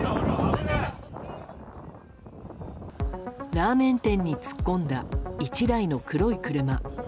ラーメン店に突っ込んだ１台の黒い車。